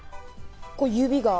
指が。